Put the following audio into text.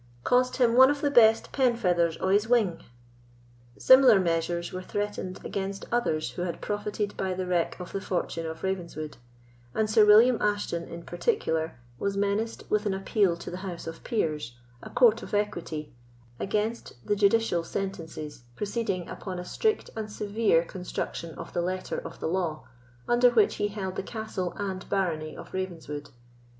—cost him one of the best penfeathers o' his wing." Similar measures were threatened against others who had profited by the wreck of the fortune of Ravenswood; and Sir William Ashton, in particular, was menaced with an appeal to the House of Peers, a court of equity, against the judicial sentences, proceeding upon a strict and severe construction of the letter of the law, under which he held the castle and barony of Ravenswood.